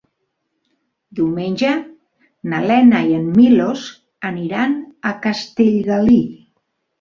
Diumenge na Lena i en Milos iran a Castellgalí.